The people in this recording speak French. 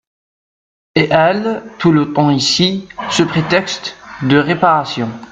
Et elle, tout le temps ici… sous prétexte de réparations…